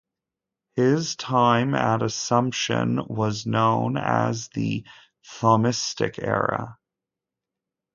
His time at Assumption was known as the "Thomistic Era".